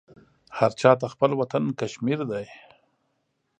هر چا ته خپل وطن کشمیر دی.